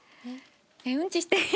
うんちしていい？